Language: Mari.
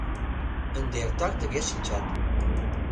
Ынде эртак тыге шинчат.